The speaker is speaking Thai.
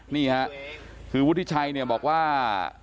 นี่ค่ะคือวุฒิชัยเนี่ยบอกว่า